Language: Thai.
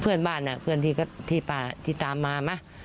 เพื่อนบ้านน่ะเพื่อนที่ตามมามา